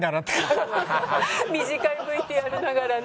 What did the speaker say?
短いＶＴＲながらね。